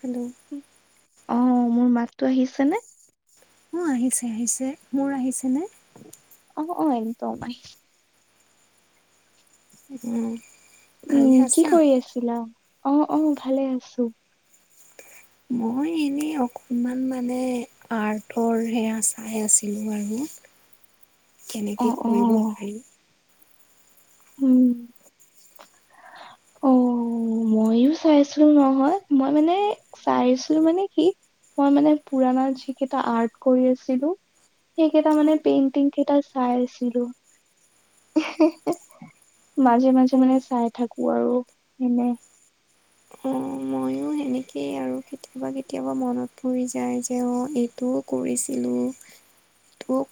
Hello অৱ মোৰ মাততো আহিছে নে! অৱ আহিছে আহিছে, মোৰ আহিছেনে? অৱ অৱ একদম। উম। ভালে উম কি আছা? কৰি আছিলা! অৱ অৱ ভালে আছো। মই এনেই অকমান মানে আৰ্টৰ সেয়া চাই আছিলোঁ আৰু। অ কেনেকে অ কৰিব পাৰি। উম [unintelligible] অ মইয়ো চাই আছো নহয়, মই মানে চাইছো মানে কি! মই মানে পুৰণা যিকেইটা আৰ্ট কৰি আছিলো। সেইকেইটা মানে পেইণ্টিং কেইটা চাইছিলো। হে হে মাজে মাজে অ মানে চাই থাকো আৰু এনে। অৱ ময়ো সেনেকেই আৰু। কেতিয়াবা কেতিয়াবা মনত পৰি যায় যে অ এইটোও কৰিছিলোঁ।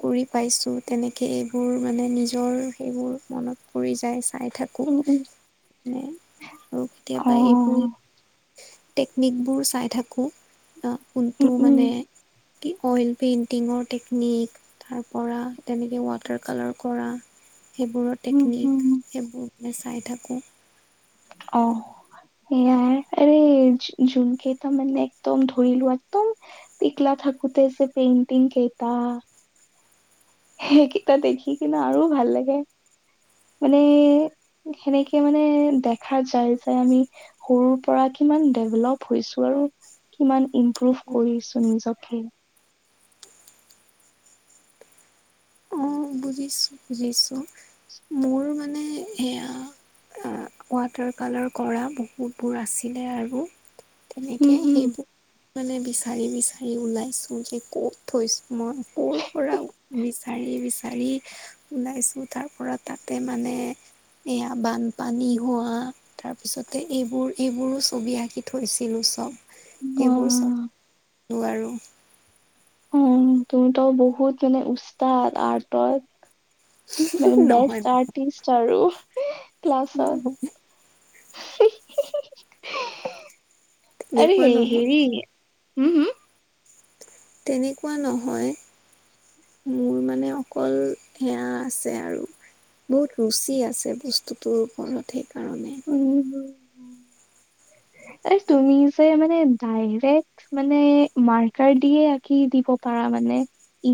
কৰি পাইছোঁ তেনেকৈ এইবোৰ মানে নিজৰ সেইবোৰ মনত পৰি যায় চাই থাকো। উম উম মানে আৰু অ কেতিয়াবা এইবোৰ টেকনিকবোৰ চাই থাকো আহ উম কোনটো উম মানে কি অইল পেইণ্টিঙৰ টেকনিক। তাৰ পৰা তেনেকৈ ৱাটাৰ কালাৰ কৰা। সেইবোৰৰ উম টেকনিক উম সেইবোৰ মানে চাই থাকোঁ। অৱ। এয়াই, আৰে জুমক কেইটামানে একদম ধৰিলোৱা একদম তিকলা থাকোতে যে পেইণ্টিং কেইটা। সেইকেইটা দেখি কিনে আৰু ভাল লাগে। মানে সেনেকে মানে দেখা যায় যে আমি। সৰুৰ পৰা কিমান ডেভলপ হৈছো আৰু। কিমান ইম্প্ৰোভ কৰিছো নিজকে। বুজিছো। বুজিছো। মোৰ মানে সেয়া ৱাটাৰ কালাৰ কৰা বহুতবোৰ আছিলে আৰু তেনেকে উম হুম সেইবোৰ মানে বিচাৰি বিচাৰি ওলাইছো, যে ক'ত থৈছো মই কৰ পৰা বিচাৰি। বিচাৰ। গা ওলাইছো তাৰ পৰা তাতে মানে এয়া বানপানী হোৱা তাৰপিছতে এইবোৰ এইবোৰো ছবি আঁকি থৈছিলোঁ। চব অ সেইবোৰ চব আৰু উম', তুমিতো বহুত মানে উস্তাহ আৰ্টত মানে নহয় বেষ্ট আৰ্টিষ্ট আৰু নহয় ক্লাছত আৰে তেনেকুৱা নহয় হেৰি হম', হুম, তেনেকুৱা নহয়। মোৰ মানে অকল সেয়া আছে আৰু বহুত ৰুচি আছে। বস্তুটোৰও ঘৰত সেইকাৰনে [inaudible] উম, এই তুমি যে মানে ডাইৰেক্ট মানে মাৰ্কাৰ দিয়ে। আঁকি দিব পাৰা মানে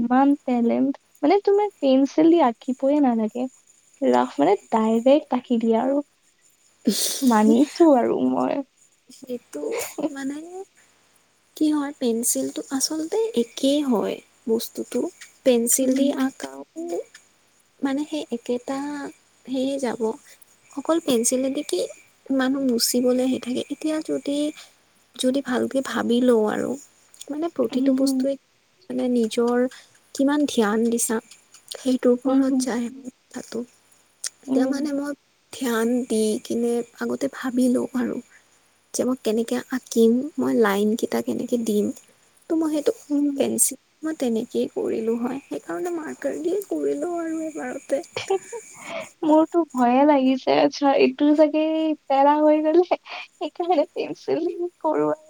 ইমান টেলেণ্ট মানে তোমাৰ পেঞ্চিল দি আঁকিবইে নালাগে। ৰাস মানে ডাইৰেক্ট তাকি দিয়ে আৰু মানিছো আৰু মই সেইটো মানে কি হয়। পেঞ্চিলটো আচলতে একেই হয়। বস্তুটো পেন্ঞ্চিল দি উম, আঁকা আও মানে সেই একেটা সেয়ে যাব। অকল পেঞ্চিলে কি মানুহ গুচিবলৈ আহি থাকে। এতিয়া যদি যদি ভালকৈ ভাবি লওঁ আৰু মানে প্ৰতিটো উম, বস্তুৱে মানে নিজৰ কিমান ধ্যান দিছা সেই টোৰ ঘৰত উম, যায়। মাতো তেতিয়া উম, মানে মই ধ্যান দি কিনে আগতে ভাবি লওঁ আৰু যে মই কেনেকৈ আঁকিম মই লাইনকেইটা কেনেকৈ দিম ত' মই সেইটো উম', পেঞ্চিল মই তেনেকেই কৰিলোঁ হয়। সেইকাৰণে মাৰ্কাৰ দিয়ে কৰিলোঁ আৰু এবাৰতে ঠিক মোৰতো ভয়ে লাগিছে, চ এইটো চাগে পেৰা হৈ গলে। সেইকাৰণে পেঞ্চিল কৰোৱা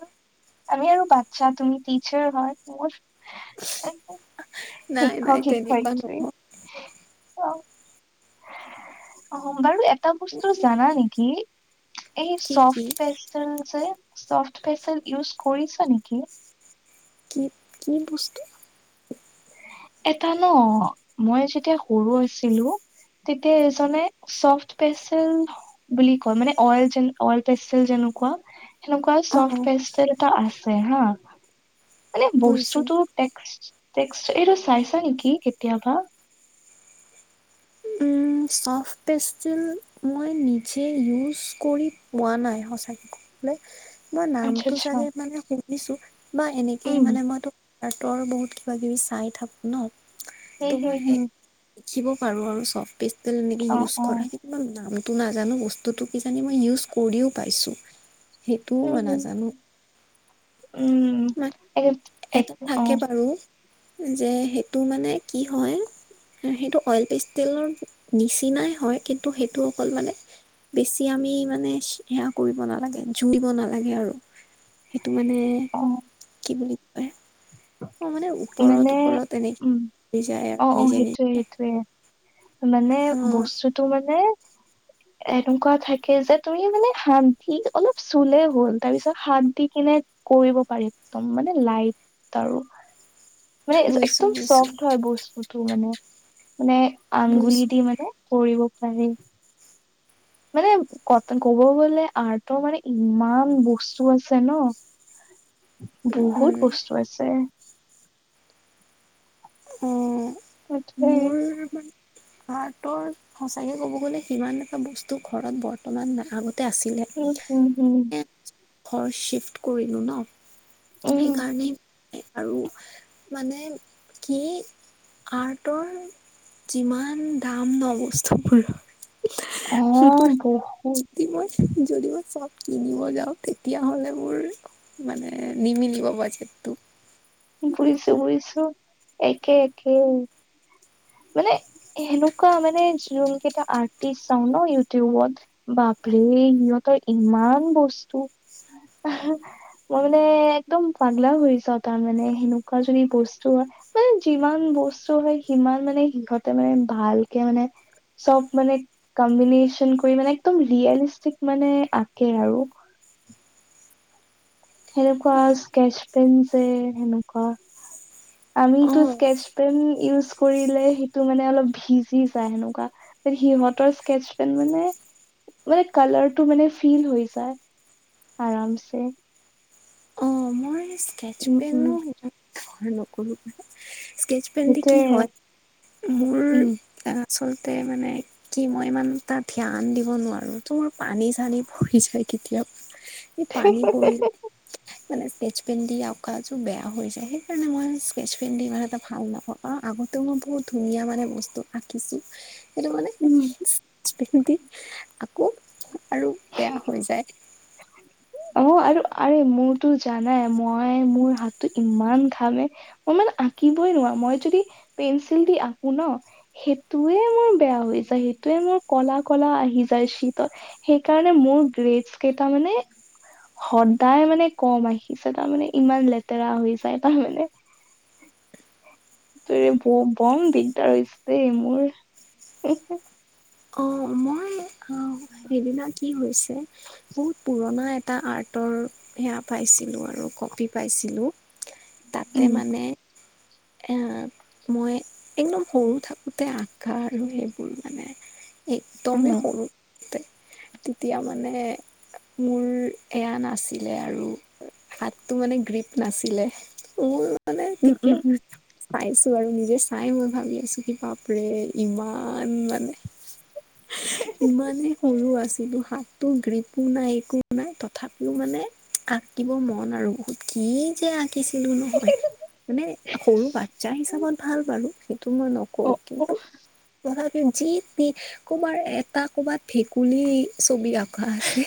আমি আৰু বাচ্ছা তুমি টচাৰ হয়। তোমোৰ শিক্ষক নাই নাই শিক্ষক তেনেকুৱা একোৱি নহয় অ', আহ বাৰু এটা বস্তু জানা নেকি? এই কি কি চফট পেচিল যে চফ্ট পেচিল ইউজ কৰিছ নেকি? কি কি বস্তু? এটা ন মই যেতিয়া সৰু আছিলো। তেতিয়া এজনে চফট পেচেল বুলি ক, মানে অইল অই পেষ্টেল যেনেকুৱা অ সেনেকুৱা অ পেষ্ট আছে হা মানে বুজিছো বস্তুতো এইটো চাইছা নেকি কেতিয়াবা। উম! চফ্ট পেষ্টিল মই নিজে ইউজ কৰি পোৱা নাই সঁচাকে ক [unintelligible] মই আচ্ছা নামটো আচ্ছা চাগে মানে শুনিছো বা এনেকে উম মানে মইটো হাতৰ আৰু বহুত কিবাকিবি চাই থাকোঁ ন হম তোমাৰ হম সেই হম শিকিব পাৰোঁ আৰু চফ্ট পিষ্টেল এনেকে অ ইউজ অ কৰা। নামটো নাজানো বস্তুটো কিজানি মই ইউজ কৰিও পাইছোঁ। সেইটোও উম মই হম নাজানো। উম মান এক এক এটা অ থাকে বাৰু যে সেইটো মানে কি হয় সেইটো অইল পিষ্টেলৰ নিচিনাই হয়। কিন্তু সেইটো অকল মানে বেছি আমি মানে সেয়া কৰিব নালাগে, জুৰিব নালাগে আৰু। সেইটো মানে অ কি বুলি কয়। অঁ! মানে মানে ওপৰত-ওপৰত এনেকে যায় আৰু নিজে-নিজে। [unintelligible] সেইটোৱে। মানে বস্তুটো মানে- এনেকুৱা থাকে যে তুমি মানে হাত দি অলপ চুলে হ'ল। তাৰপিছত হাত দি কিনে কৰিব পাৰি একদম মানে লাইট আৰু। মানে বুজিছোঁ একদম বুজিছোঁ চফ্ট হয় বস্তুটো মানে। মানে আগুলি বুজিছোঁ দি মানে কৰিব পাৰে। মানে ক ক'ব গ'লে আৰ্টৰ মানে ইমান বস্তু আছে ন। উম বহুত উম বস্তু আছে। অঁ! সেইটোৱে মোৰ হাতৰ সঁচাকে ক'ব গ'লে সিমান এটা বস্তু ঘৰত বৰ্তমান নাথাকোঁতে আছিলে। উম-উম! হুম। [unintelligible] ঘৰ চিফ্ট কৰিলোঁ ন। উম সেইকাৰণেই আৰু মানে কি আৰ্টৰ যিমান দাম ন বস্তুবোৰৰ। [unintelligible] অঁ! বহুত। তি মই যদি মই চব কিনিব যাওঁ, তেতিয়াহ'লে মোৰ মানে নিমিলিব বাজেটতো। ঘুৰিছো-ঘুৰিছো। একে-একে। মানে এনেকুৱা মানে যোন কেইটা আৰ্টিষ্ট চাওঁ ন ইউটিউবত। বাপৰে সিহঁতৰ ইমান বস্তু। মই মানে একদম পাগলাও হৈছোঁ আৰু তাৰ মানে সেনেকুৱা যদি বস্তু হয়। মানে যিমান বস্তু হয়, সিমান মানে সিহঁতে মানে, ভালকে মানে চব মানে কম্বিনেচন কৰি মানে একদম ৰিয়েলিষ্টিক মানে আঁকে আৰু। সেনেকুৱা অ', স্কেচ পেন যে সেনেকুৱা। [unintelligible] আমিটো অ', স্কেচ পেন ইউজ কৰিলে সেইটো মানে অলপ ভিজি যায় সেনেকুৱা। সিহঁতৰ স্কেচ পেন মানে-মানে কালাৰটো মানে ফিল হৈ যায়। আৰামছে। ম‌ই স্কেচ উম উম পেনো সিমান ব্যৱহাৰ নকৰোঁ। স্কেচ পেন দি সেইটোৱে কি হয় মোৰ উম। আচলতে মানে কি মই ইমান এটা ধ্যান দিব নোৱাৰোঁ তোৰ পানী-চানী পৰি যায় কেতিয়াবা। পানী পৰিল মানে তেজ। পেন দি অকাযোৰ বেয়া হৈ যায়। সেইকাৰণে মই স্কেচ পেন দি ইমান এটা ভাল নাপাওঁ। আৰু আগত এইটো মই বহুত ধুনীয়া মানে বস্তু আকিছোঁ। সেইটো মানে উম। স্কেচ পেন দি আকোঁ আৰু বেয়া হৈ যায়। অ', আৰু আৰে মোৰতো জানাই মই মোৰ হাতটো ইমান ঘামে। মই মানে আঁকিবই নোৱাৰো, মই যদি পেঞ্চিল দি আঁকো ন। সেইটোৱে মোৰ বেয়া হৈ যায়, সেইটোৱে মোৰ কলা, কলা আহি যায় শীতত। সেইকাৰণে মোৰ গ্ৰেড কেইটা মানে সদায় মানে কম আহিছে তাৰমানে ইমান লেতেৰা হৈ যায় তাৰমানে। ত ব বম দিগদাৰ হৈছে মোৰ। অ', মই সেদিনা কি হৈছে, বহুত পুৰণা এটা আৰ্ট। ফটৰ সেয়া পাইছিলোঁ, আৰু কপি পাইছিলোঁ তাতে উম মানে। মই একদম সৰু থাকোঁতে আঁকা আৰু এইবোৰ মানে। একদমেই উম সৰু। তেতিয়া মানে মোৰ এয়া নাছিলে আৰু। হাততটো মানে গ্ৰীপ নাছিলে মোৰ মানে উম তেতিয়া উম পাইছোঁ আৰু নিজে চাই মই ভাবি আছো কি পাপৰে ইমান মানে ইমানেই সৰু আছিলোঁ হাতটো গ্ৰীপো নাই একো নাই তথাপিও মানে আঁকিব মন আৰু বহুত কি যে আঁকিছিলো নহয় মানে সৰু বাচ্ছা উম হিচাপত ভাল বাৰু সেইটো মই নক ক অ অ কিন্তু যি কোবাৰ এটা কবাত ভেকুলী ছবি আঁকা আছে।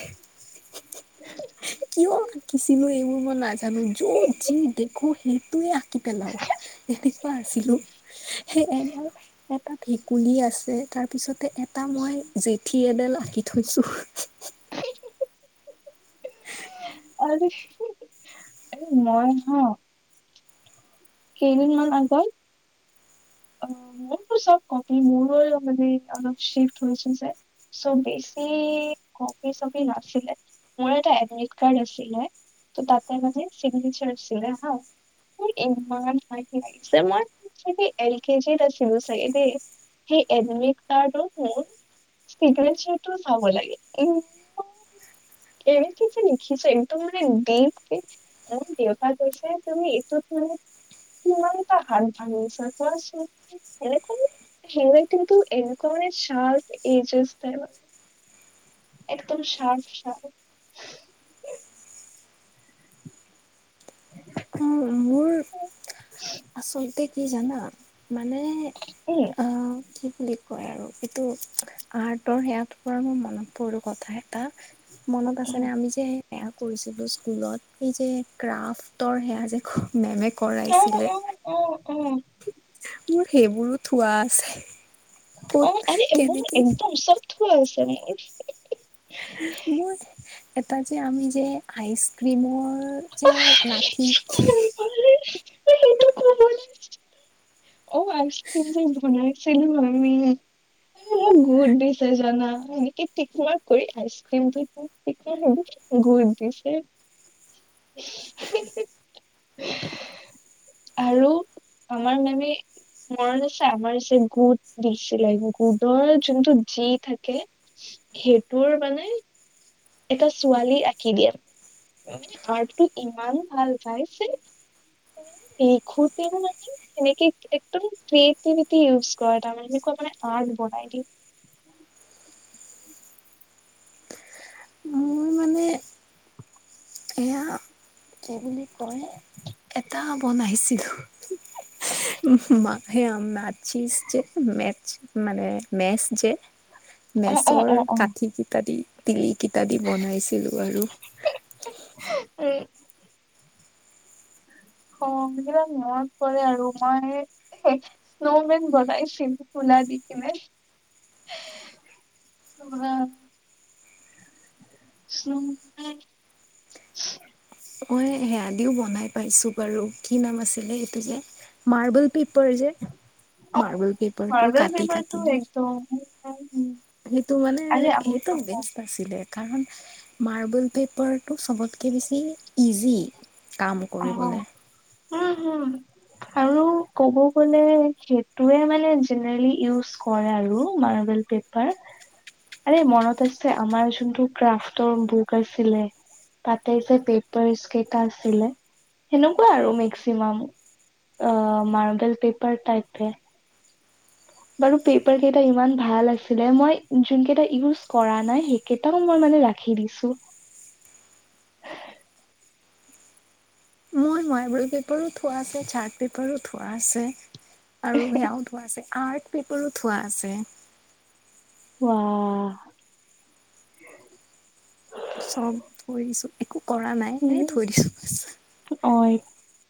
কিয় আঁকিছিলো এইবোৰ মই নাজানো যত যি দেখো সেইটোৱে আঁকি পেলাও এনেকুৱা আছিলো সেই এ এটা ভেকুলী আছে তাৰপিছতে এটা মই জেঠী এডাল আঁকি থৈছোঁ আ মনহা [unintelligible] কেইদিনমান আগত অ', মোৰোৰ চব কপি মোৰ মানে অলপ শিফ্ হৈছে যে চ' বেছি কপ চপি নাছিলে মোৰ এটা এডমিট কাৰ্ড আছিলে। তোৰ তাতাই মানে চিগ্নেচৰ চিৰা হা এ কে নছিল চাগে সেই এডমিট কাৰ্ড ৰখোন [unintelligible] সিক তো চাব লাগে। এনে যে নেখিছে একদম মানে দীপ কে অম দেউতা কৈছে তুমি এইটোত মানে কিমান ত হাত ভাঙিছাৰ কোৱাচোন। এনে হেন ৰাইটিং এনেকা মানে চাৰ্ট এইজছ একদম চাৰফ চাৰফ অ', মোৰ [inaudible] আচলতে কি জানা মানে উম আহ কি বুলি কয় আৰু এইটো আৰ্টৰ সেয়াটোৰ পৰা মোৰ মনত পৰিল কথাহে এটা মনত উম আছেনে আমি যে সেয়া কৰিছিলোঁ স্কুলত এই যে ক্ৰাফটৰ সেয়া যে মেমে কৰাইছিলে। উম, উম। মোৰ সেইবোৰো থোৱা আছে। ক'ত অ', আ মোৰ কেনেকে একদম চব থোৱা আছে মোৰ মোৰ এটা যে আমি যে আইচ ক্ৰীমৰ যে লাঠি সেইটো ক'বলৈ অ আইচ ক্ৰীম যে বনাইছিলো আমি গোট দিছে জানা এনেকে টিকমাৰ কৰি আইচক্ৰীমটোত [unintelligible] গুড দিছে [inaudible] আৰু আমাৰ মানে [unintelligible] আমাৰ যে গুড দিছিলে গুডৰ যোনটো যি থাকে সেইটোৰ মানে এটা ছোৱালী আঁকি দিয়া আৰ্টটো ইমান ভাল পাইছে লিখোঁতেও মানে কেনেকে, একদম ক্ৰিয়েটভিটি ইউজ কৰা তাৰমানে এনেকুৱ মানে আৰ্ট বনাই দেই। মোৰ মানে এয়া কি বুলি কয় এটা বনাইছিলোঁ মানে মৰ্চিজ যে মেটচ মানে মেছ যে অ অ মেচৰ অ অ কাঠি কটা দি তিল কিটা দি বনাইছিলো আৰু। উম অ সেইবিলাক মনত পৰে আৰু মই স্নোমেন বনাইছিলো তুলা দে কিনোই [unintelligible] [inaudible] [unintelligible] মই সেয়া দিও বনাই পাইছো বাৰু কি নাম আছিলে এইটো যে? মাৰ্বল পেপাৰ যে অ মাৰ্বল পেপাৰটো মাৰ্বেল কাটি পেপাৰটো কাটি মানে [unintelligible] সেইটো মানে আৰে অ সেইটো অ বেষ্ট আছিলে। কাৰণ মাৰ্বল পেপাৰটো চবতকে বেছি ইজি কাম অ কৰিবলে। উম হম। আৰু ক'ব গ'লে সেইটোৱে মানে জেনেৰেলি ইউজ কৰে আৰু মাৰ্বেল পে পাৰ। আৰে মনত আছে আমাৰ যোনটো ক্ৰাফ্টৰ বুক আছিলে? তাতে যে পেপাৰ ইচ কেইটা আছিলে? সেনেকুৱা আৰু মেক্সিমাম অ মাৰ্বেল পেপাৰ টাইপে বাৰু পেপাৰ কেইটা ইমান ভাল আছিলে, মই যোন কেইটা ইউজ কৰা নাই সেই কেইটাও মই মানে ৰাখি দিছো। মই মাৰ্বল পেপাৰো থোৱা আছে, চাৰ্ট পেপাৰো থোৱা আছে আৰু সেয়াও থোৱা আছে। আৰ্ট পেপাৰো থোৱা আছে। ৱাহ! চব থৈ দিছো একো কৰা নাই এনে থৈ দিছো বাছ। অএ